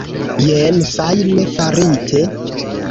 Jen fajne farite.